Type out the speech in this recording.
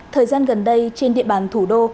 thời gian gần đây trên địa bàn thủ đô